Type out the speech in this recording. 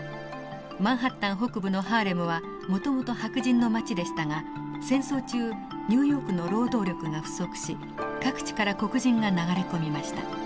マンハッタン北部のハーレムはもともと白人の街でしたが戦争中ニューヨークの労働力が不足し各地から黒人が流れ込みました。